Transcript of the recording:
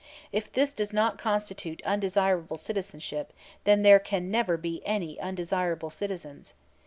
If this does not constitute undesirable citizenship, then there can never be any undesirable citizens.